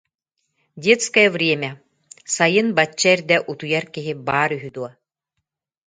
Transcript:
Детское время, сайын бачча эрдэ утуйар киһи баар үһү дуо